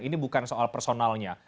ini bukan soal personalnya